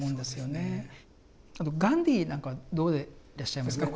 あとガンジーなんかはどうでいらっしゃいますか？